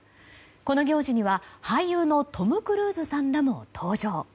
この行事には俳優のトム・クルーズさんらも登場。